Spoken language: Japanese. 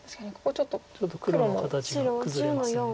ちょっと黒の形が崩れますので。